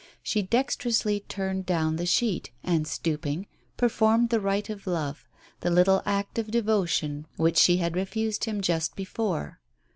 She dexterously turned down the sheet, and stooping, performed the rite of love, the little act of devotion which she had refused him just before.